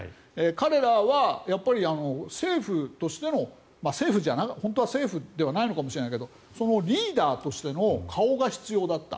彼らは政府としての本当は政府ではないのかもしれないけれどリーダーとしての顔が必要だった。